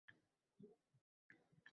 Barchaga bu ayondir.